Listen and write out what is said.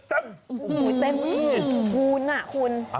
เต็มนี่คุณ